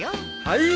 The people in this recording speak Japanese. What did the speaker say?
はい。